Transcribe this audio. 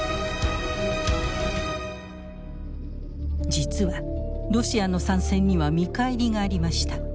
実はロシアの参戦には見返りがありました。